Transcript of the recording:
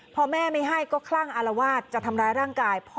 พ่อแม่ไม่ให้ก็คลั่งอลวาสจะทำร้าล่างกาย